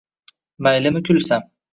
maylimi kulsam?